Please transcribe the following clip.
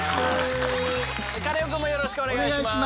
カネオくんもよろしくお願いします。